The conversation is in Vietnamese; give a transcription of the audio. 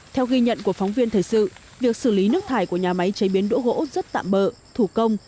theo ghi nhận của phóng viên thời sự việc xử lý nước thải của nhà máy chế biến đỗ gỗ rất tạm bỡ thủ công